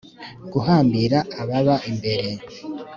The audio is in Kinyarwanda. guhambira ababa imbere